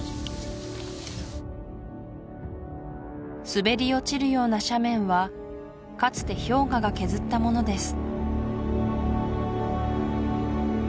滑り落ちるような斜面はかつて氷河が削ったものです